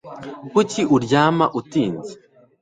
Kuki uryama utinze